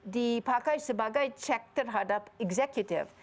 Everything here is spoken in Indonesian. dipakai sebagai cek terhadap executive